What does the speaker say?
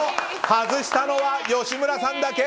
外したのは吉村さんだけ。